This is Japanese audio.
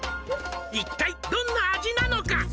「一体どんな味なのか」